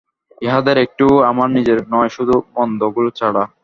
ইহাদের একটিও আমার নিজস্ব নয় শুধু মন্দগুলি ছাড়া।